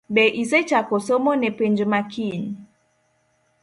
Be isechako somo ne penj ma Kiny?